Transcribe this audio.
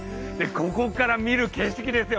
ここから見る景色ですよ。